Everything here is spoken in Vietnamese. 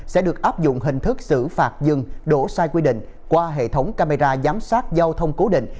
sẽ được áp dụng hình thức xử phạt dừng đổ sai quy định qua hệ thống camera giám sát giao thông cố định